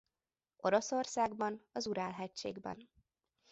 Oroszországban az Ural-hegységben.